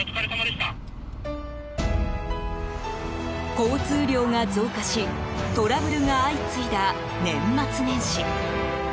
交通量が増加しトラブルが相次いだ年末年始。